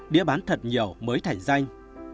tài liệu mới thành danh